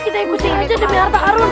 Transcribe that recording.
kita ikutin aja demi harta arun